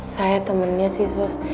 saya temennya sih sus